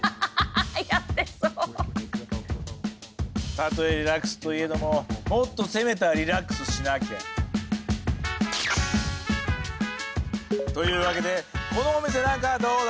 たとえリラックスといえどももっと攻めたリラックスしなきゃ。というわけでこのお店なんかどうだ？